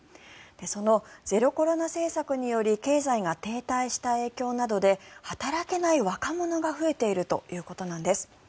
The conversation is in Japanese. そのゼロコロナ政策により経済が停滞した影響などで働けない若者が増えているということなんです。